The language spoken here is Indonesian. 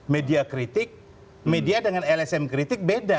media kritik media dengan lsm kritik beda